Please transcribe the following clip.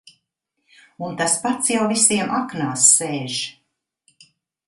Un tas pats jau visiem aknās sēž.